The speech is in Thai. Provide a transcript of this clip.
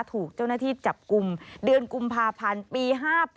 ถูกเจ้าหน้าที่จับกลุ่มเดือนกุมภาพันธ์ปี๕๘